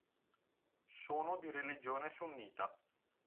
Sono di religione sunnita.